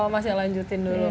masih lanjutin dulu